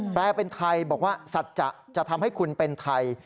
แปลเป็นไทยบอกว่าสัจจะจะทำให้คุณเป็นไทย